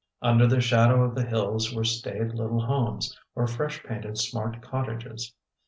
Under the shadow of the hills were staid little homes, or fresh painted smart cottages.